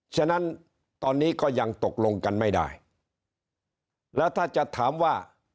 ฉะนั้นตอนนี้ก็ยังตกลงกันไม่ได้แล้วถ้าจะถามว่า